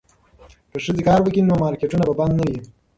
که ښځې کار وکړي نو مارکیټونه به بند نه وي.